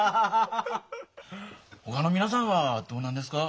ほかの皆さんはどうなんですか？